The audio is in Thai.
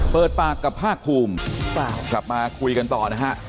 เปิดปากกับภาคภูมิกลับมาคุยกันต่อนะฮะ